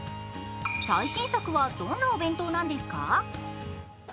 最新作はどんなお弁当なんですか？